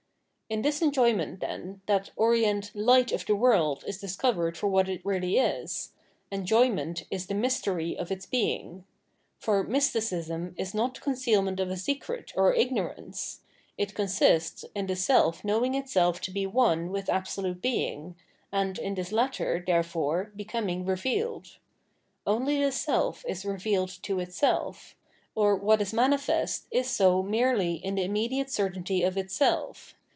In this enjoyment, then, that orient " Light " of the world is discovered for what it really is : Enjoyment is the Mystery of its being. For mysticism is not concealment of a secret, or ignorance ; it consists in the self knowing itself to be one with absolute Being, and in this latter, therefore, becoming revealed. Only the self is revealed to itself; or what is manifest is so merely in the immediate certainty of itself.